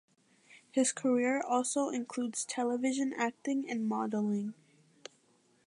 His career also includes television acting and modelling.